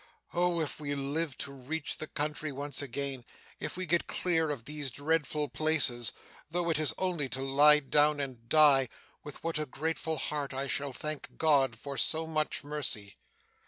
Oh! if we live to reach the country once again, if we get clear of these dreadful places, though it is only to lie down and die, with what a grateful heart I shall thank God for so much mercy!